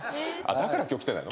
だから今日来てないの？